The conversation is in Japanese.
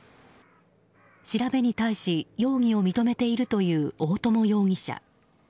調べに対し容疑を認めているという大友容疑者。